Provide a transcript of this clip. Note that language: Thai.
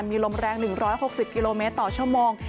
มีลมแรง๑๖๐กิโลเมตรต่อชั่วโมง